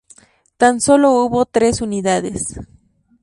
Tan sólo hubo tres unidades.